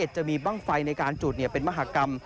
จะมีบ้างไฟในการจุดเป็นมหากรรม